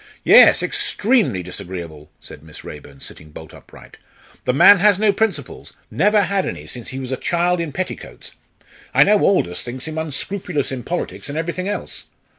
"Yes, extremely disagreeable," said Miss Raeburn, sitting bolt upright. "The man has no principles never had any, since he was a child in petticoats. I know Aldous thinks him unscrupulous in politics and everything else.